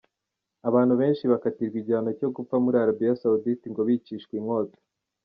Abantu benshi bakatirwa igihano cyo gupfa muri Arabia Saudite ngo bicishwa inkota.